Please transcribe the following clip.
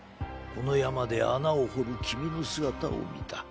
この山で穴を掘る君の姿を視た。